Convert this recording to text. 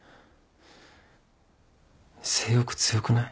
性欲強くない？